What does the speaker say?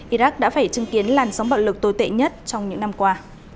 iraq đã phải chứng kiến làn sóng bạo lực tồi tệ nhất trong những năm qua